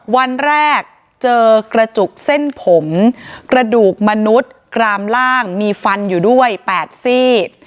วันแรกเจอกระจุกเส้นผมกระดูกมนุษย์กรามล่างมีฟันอยู่ด้วย๘ซีด